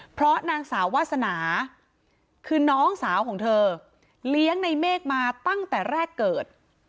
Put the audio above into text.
เพราะนางสาววาสนาคือน้องสาวของเธอเลี้ยงในเมฆมาตั้งแต่แรกเกิด